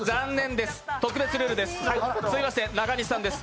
特別ルールです。